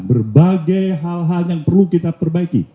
berbagai hal hal yang perlu kita perbaiki